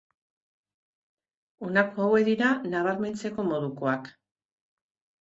Honako hauek dira nabarmentzeko modukoak.